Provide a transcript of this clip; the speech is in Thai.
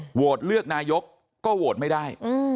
โหวตเลือกนายกก็โหวตไม่ได้